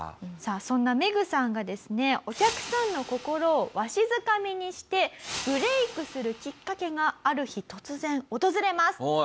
そんなメグさんがですねお客さんの心をわしづかみにしてブレイクするきっかけがある日突然訪れます。